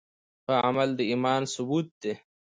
ښه عمل د ایمان ثبوت دی.